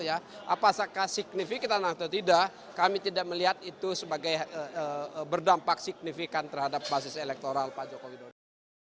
apakah signifikan atau tidak kami tidak melihat itu sebagai berdampak signifikan terhadap basis elektoral pak jokowi dodo